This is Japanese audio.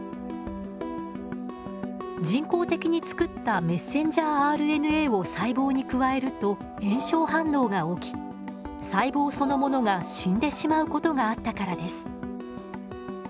人工的につくったｍＲＮＡを細胞に加えると炎症反応が起き細胞そのものが死んでしまうことがあったからです。